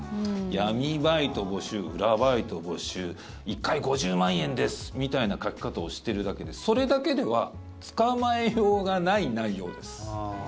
闇バイト募集、裏バイト募集１回５０万円ですみたいな書き方をしてるだけでそれだけでは捕まえようがない内容です。